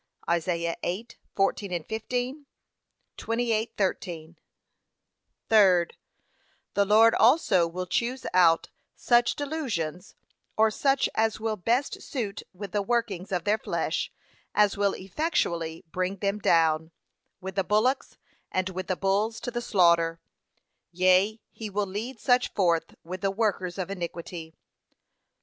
(Isa. 8:14, 15; 28:13) Third, The Lord also will choose out such delusions, or such as will best suit with the workings of their flesh, as will effectually bring them down, with the bullocks and with the bulls to the slaughter: yea, he will lead such forth with the workers of iniquity.